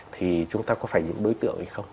thì chúng ta có phải những đối tượng hay không